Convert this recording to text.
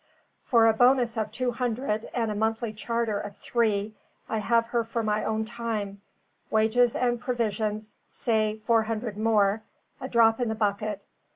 For a bonus of two hundred, and a monthly charter of three, I have her for my own time; wages and provisions, say four hundred more: a drop in the bucket.